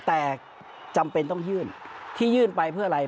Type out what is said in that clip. แต่จำเป็นต้องยื่นที่ยื่นไปเพื่ออะไร